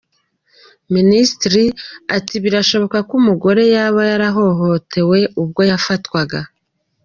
Minisitiri ati " Birashoboka ko uyu mugore yaba yarahohotewe ubwo yafatwaga".